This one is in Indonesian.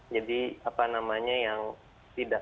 jadi apa namanya yang tidak